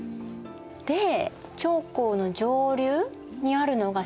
で長江の上流にあるのが蜀。